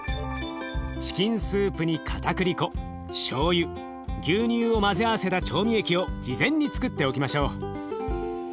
チキンスープにかたくり粉しょうゆ牛乳を混ぜ合わせた調味液を事前につくっておきましょう。